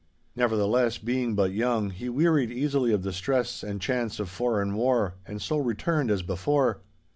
Nevertheless, being but young, he wearied easily of the stress and chance of foreign war, and so returned as before.